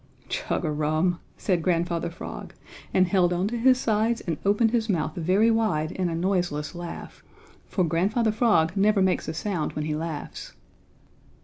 "Chug a rum!" said Grandfather Frog and held on to his sides and opened his mouth very wide in a noiseless laugh, for Grandfather Frog never makes a sound when he laughs.